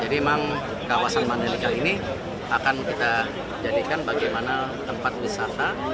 jadi memang kawasan mandalika ini akan kita jadikan bagaimana tempat wisata